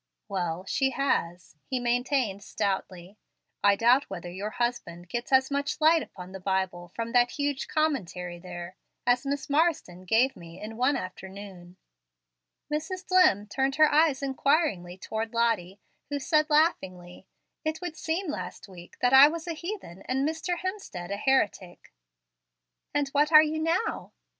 "Well, she has," he maintained stoutly. "I doubt whether your husband gets as much light upon the Bible from that huge commentary there as Miss Marsden gave me in one afternoon." Mrs. Dlimm turned her eyes inquiringly toward Lottie, who said, laughingly, "It would seem, last week, that I was a heathen and Mr. Hemstead a heretic." "And what are you now?"